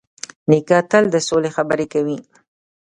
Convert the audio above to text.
نیکه تل د سولې خبرې کوي.